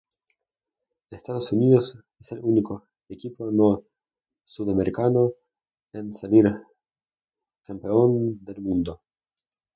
Estados Unidos es el único equipo no sudamericano en salir campeón del mundo.